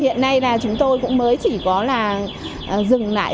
hiện nay là chúng tôi cũng mới chỉ có là dừng lại